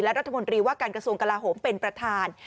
รัฐมนตรีว่าการกระทรวงกลาโหมเป็นประธาน